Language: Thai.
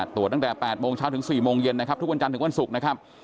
ตรวจตั้งแต่๘โมงเช้าถึง๔โมงเย็นทุกวันจันทร์ถึงวันศุกร์